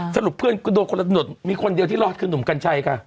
เพื่อนกูโดนคนละหนดมีคนเดียวที่รอดคือหนุ่มกัญชัยค่ะ